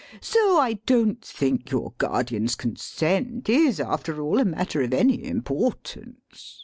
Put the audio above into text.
So I don't think your guardian's consent is, after all, a matter of any importance.